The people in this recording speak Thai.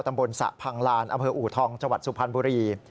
ตำบลสะพังลานออุทองจสุพรรณบุรี